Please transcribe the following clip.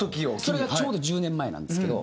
それがちょうど１０年前なんですけど。